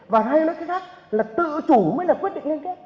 và hay nói cái khác là tự chủ mới là quyết định liên kết